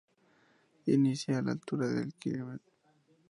Inicia a la altura del km.